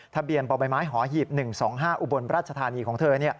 ทะเบียนบ่อใบไม้หอหีบ๑๒๕อุบลราชธานีของเธอ